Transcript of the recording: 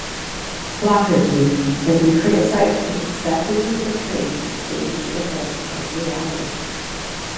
Flaherty has been criticized for deceptively portraying staged events as reality.